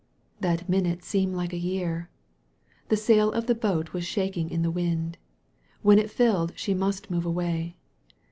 That minute seemed like a year. The sail of the boat was shaking in the wind. When it filled she must move away.